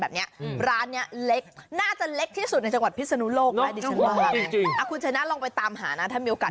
แบบเนี้ยร้านเนี้ยเล็กน่าจะเล็กที่สุดในจังหวัดพิษธานุโลกนะคุณชัยนะรองไปตามหานะ